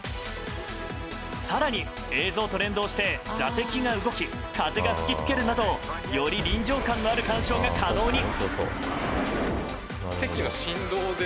更に映像と連動して座席が動き風が吹きつけるなどより臨場感のある鑑賞が可能に。